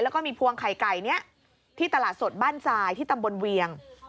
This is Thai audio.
แล้วก็มีพวงไข่ไก่นี้ที่ตลาดสดบ้านทรายที่ตำบลเวียง